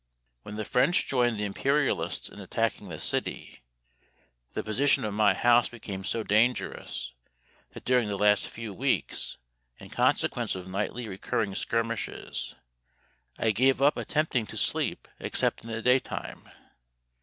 When the French joined the Imperialists in attacking the city, the position of my house became so dangerous that during the last few weeks, in consequence of nightly recurring skirmishes, I gave up attempting to sleep except in the daytime.